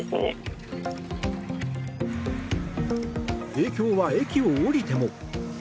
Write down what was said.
影響は駅を降りても。